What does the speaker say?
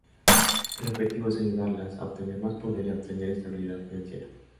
El objetivo es ayudarlas a obtener más poder y obtener "estabilidad financiera".